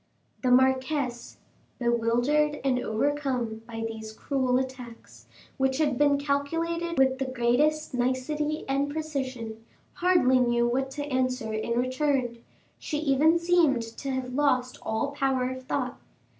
The marquise, bewildered and overcome by these cruel attacks, which had been calculated with the greatest nicety and precision, hardly knew what to answer in return; she even seemed to have lost all power of thought.